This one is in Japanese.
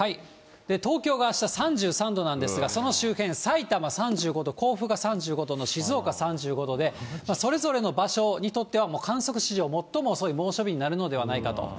東京があした３３度なんですが、その周辺、さいたま３５度、甲府が３５度の静岡３５度で、それぞれの場所にとっては、もう観測史上最も遅い猛暑日になるのではないかと。